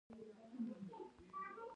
له علم پرته انسان د خامې اوسپنې غوندې دی.